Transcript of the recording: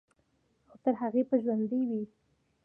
او تر هغې به ژوندے وي،